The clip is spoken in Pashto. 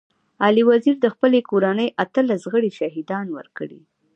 علي وزير د خپلي کورنۍ اتلس غړي شهيدان ورکړي.